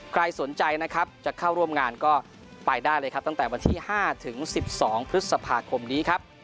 ใครสนใจจะเข้าร่วมงานก็ไปได้เลยตั้งแต่วันที่๕๑๒พฤษภาคมนี้